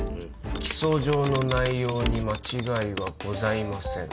起訴状の内容に間違いはございません